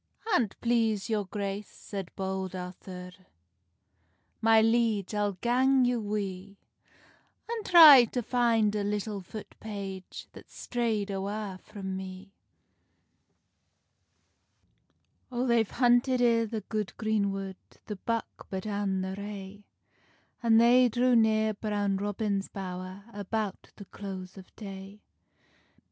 "An't please your grace," said Bold Arthur, "My liege, I'll gang you wi, An try to fin a little foot page, That's strayd awa frae me." O they've hunted i the good green wood The buck but an the rae, An they drew near Brown Robin's bowr, About the close of day.